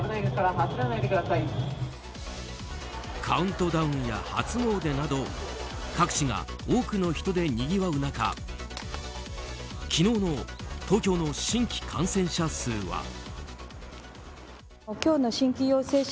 カウントダウンや初詣など各地が多くの人でにぎわう中昨日の東京の新規感染者数は。